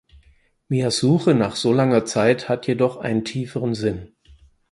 Mias Suche nach so langer Zeit hat jedoch einen tieferen Sinn.